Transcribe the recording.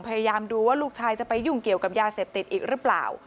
พยายามดูว่าลูกชายจะไปยุ่งเกี่ยวกับยาเสพติดอีกหรือเปล่า